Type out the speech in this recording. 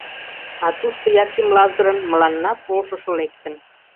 А тушто Яким Лазырын мыланна полшышо лектын.